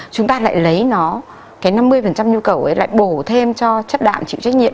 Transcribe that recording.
chúng ta lại lấy nó cái năm mươi nhu cầu ấy lại bổ thêm cho chất đạm chịu trách nhiệm